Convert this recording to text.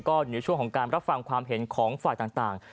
ก็ในช่วงของการรับฟังความเห็นของฝ่ายต่าง